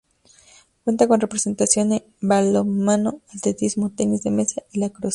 Cuenta con representación en balonmano, atletismo, tenis de mesa y lacrosse.